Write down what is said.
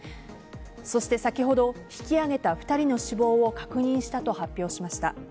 そして先ほど引き揚げた２人の死亡を確認したと発表しました。